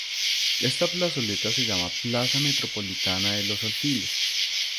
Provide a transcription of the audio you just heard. Esta plazoleta se llama Plaza Metropolitana de Los Alfiles.